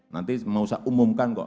nanti mau saya umumkan kok